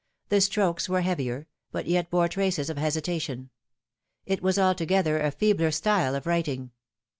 The strokes were heavier, but yet bore traces of hesitation. It was alto gether a feebler style of writing.